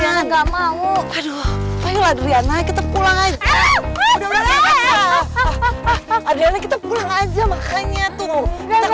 nggak mau aduh ayolah diananya kita pulang aja udah udah kita pulang aja makanya tuh